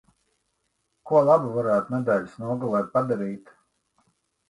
Ko labu varētu nedēļas nogalē padarīt?